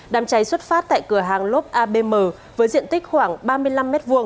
đám cháy xuất phát tại cửa hàng lốp abm với diện tích khoảng ba mươi năm m hai